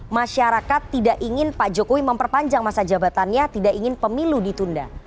masyarakat tidak ingin pak jokowi memperpanjang masa jabatannya tidak ingin pemilu ditunda